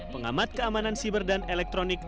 pengamat keamanan siber dan elektronik